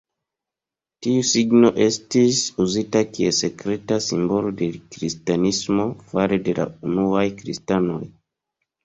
Tiu signo estis uzita kiel sekreta simbolo de Kristanismo fare de la unuaj kristanoj.